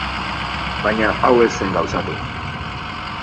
Baina hau ez zen gauzatu.